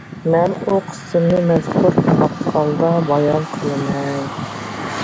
مەن ئۇ قىسمىنى مەزكۇر ماقالىدا بايان قىلىمەن.